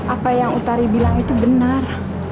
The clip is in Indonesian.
apa yang utari bilang itu benar